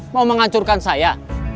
mau menghancurkan saya